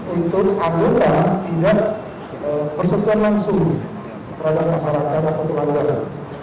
untuk akuntan tidak persesuaian langsung terhadap masalah kerja atau pelanggaran